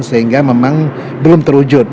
sehingga memang belum terwujud